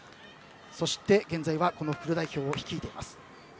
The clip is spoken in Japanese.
そして、現在はフル代表を率いています。